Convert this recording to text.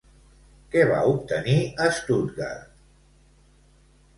Què va obtenir a Stuttgart?